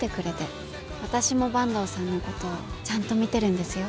私も坂東さんのことちゃんと見てるんですよ。